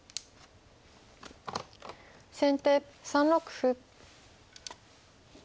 先手３六歩。